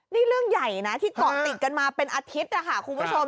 นี่เรื่องใหญ่นะที่เกาะติดกันมาเป็นอาทิตย์นะคะคุณผู้ชม